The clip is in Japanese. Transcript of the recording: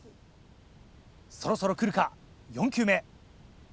そろそろくるか４球目。